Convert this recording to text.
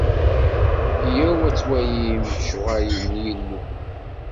Yyaw ad twalim lecɣwal n Yillu.